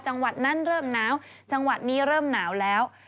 จังหวัดนั้นเริ่มหนาวจังหวัดนี้เริ่มหนาวแล้ว